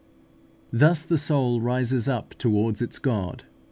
6). Thus the soul rises up towards its God.